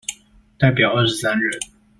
代表二十三人